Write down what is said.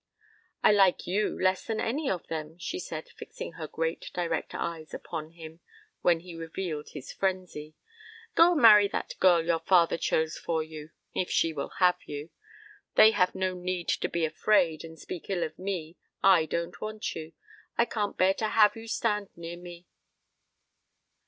"I like you less than any of them," she said, fixing her great, direct eyes upon him when he revealed his frenzy. "Go and marry that girl your father chose for you if she will have you. They have no need to be afraid and speak ill of me. I don't want you. I can't bear to have you stand near me."